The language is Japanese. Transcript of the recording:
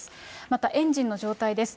またエンジンの状態です。